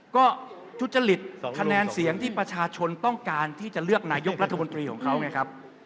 ก็ทุจริตคะแนนเสียงที่ประชาชนต้องการที่จะเลือกนายกรัฐมนตรีของเขาไงครับ